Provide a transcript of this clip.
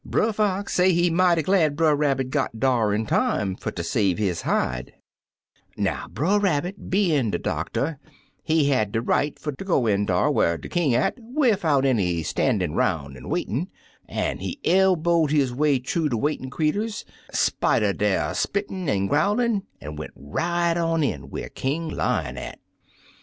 Brer Fox say he mighty glad Brer Rabbit got dar in time fer ter save his hide. "Now, Brer Rabbit bein* de doctor, he had de right fer ter go in dar whar de King at widout any stan'in' 'roun' an' waitin*, 100 Two Fat Pullets an' he elbowed his way thoo dc waitin* cree turs, spite or der spittin* an' growlin', an* went right on in whar King Lion at.